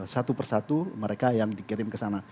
satu persatu mereka yang dikirim ke sana